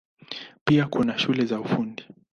Pia kuna shule za Ufundi.